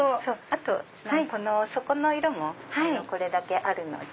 あと底の色もこれだけあるので。